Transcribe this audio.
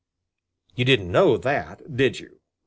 You didn't know that, did you?